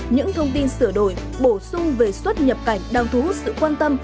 những thông tin sửa đổi bổ sung về xuất nhập cảnh đang thu hút sự quan tâm